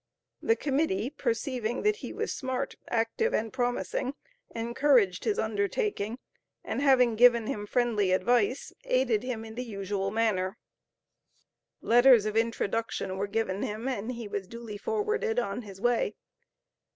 The Committee, perceiving that he was smart, active, and promising, encouraged his undertaking, and having given him friendly advice, aided him in the usual manner. Letters of introduction were given him, and he was duly forwarded on his way.